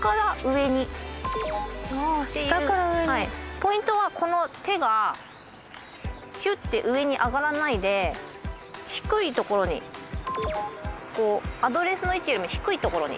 ポイントはこの手がヒュッて上に上がらないで低いところにこうアドレスの位置よりも低いところに。